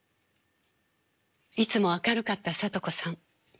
いつも明るかった聡子さん